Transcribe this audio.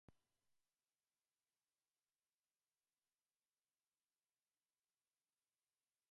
Kdor neprestano gleda v oblake, ne bo nikoli žel.